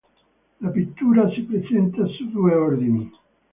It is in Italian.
La pittura si presenta su due ordini.